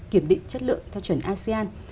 kiểm định chất lượng theo chuẩn asean